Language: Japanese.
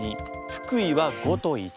福井は５と１。